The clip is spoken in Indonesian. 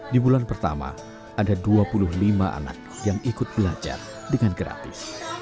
di bulan pertama ada dua puluh lima anak yang ikut belajar dengan gratis